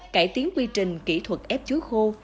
cải tiến quy trình kỹ thuật ép chuối khô